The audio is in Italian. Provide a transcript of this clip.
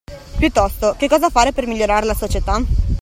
Piuttosto, che cosa fare per migliorare la società?